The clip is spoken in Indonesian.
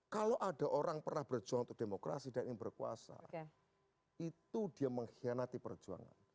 kalau ada orang pernah berjuang untuk demokrasi dan ingin berkuasa itu dia mengkhianati perjuangan